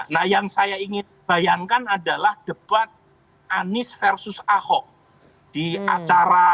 nah yang saya ingin bayangkan adalah debat anies versus ahok di acara